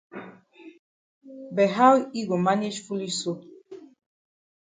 But how yi go manage foolish so?